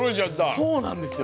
そうなんですよ。